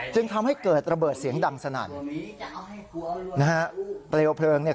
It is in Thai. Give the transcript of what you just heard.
จึงทำให้เกิดระเบิดเสียงดังสนั่นนะฮะเปลวเพลิงเนี่ย